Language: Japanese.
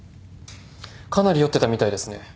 かなり酔ってたみたいですね。